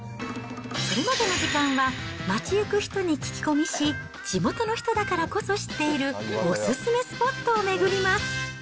それまでの時間は、街行く人に聞き込みし、地元の人だからこそ知っているお勧めスポットを巡ります。